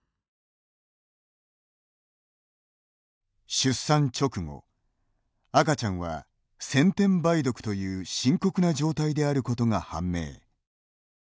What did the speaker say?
出産直後、赤ちゃんは先天梅毒という深刻な状態であることが判明。